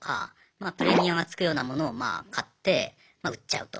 まあプレミアムがつくようなものをまあ買ってまあ売っちゃうと。